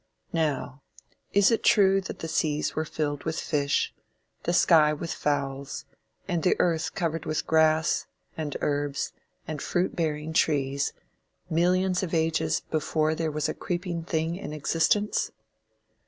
Now, is it true that the seas were filled with fish, the sky with fowls, and the earth covered with grass, and herbs, and fruit bearing trees, millions of ages before there was a creeping thing in existence?